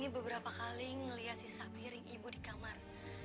beberapa kali ngeliat piring ibu di kamar